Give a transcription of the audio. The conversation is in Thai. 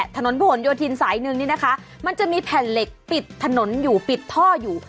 ถนนผนโยธินสายหนึ่งนี่นะคะมันจะมีแผ่นเหล็กปิดถนนอยู่ปิดท่ออยู่